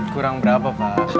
kurang berapa pak